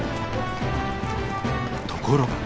ところが。